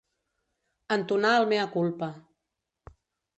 Entonar el mea culpa.